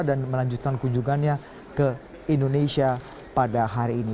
dan melanjutkan kunjungannya ke indonesia pada hari ini